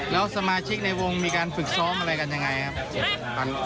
แล้วสมาชิกในวงมีการฝึกซ้อมอะไรกันยังไงครับ